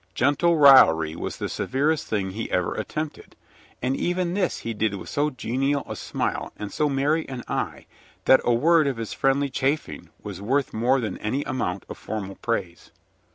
Gentle raillery was the severest thing he ever attempted, and even this he did with so genial a smile and so merry an eye, that a word of his friendly chaffing was worth more than any amount of formal praise.